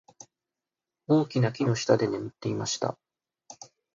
大きな木の下で眠っていました。